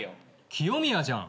清宮じゃん。